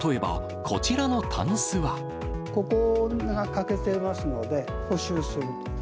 ここが欠けてますので、補修する。